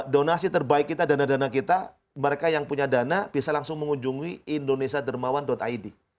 donasi terbaik kita dana dana kita mereka yang punya dana bisa langsung mengunjungi indonesia dermawan id